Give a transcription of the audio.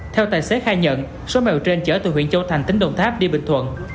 theo tài xế khai nhận số mèo trên chở từ huyện châu thành tỉnh đồng tháp đi bình thuận